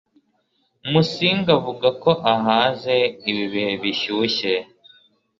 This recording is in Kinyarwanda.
musinga avuga ko ahaze ibi bihe bishyushye